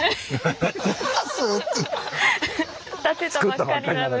建てたばっかりなのに。